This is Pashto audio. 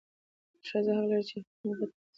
ښځه حق لري چې خپل نوبت ترلاسه کړي.